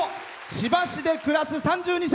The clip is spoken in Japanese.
千葉市で暮らす３２歳。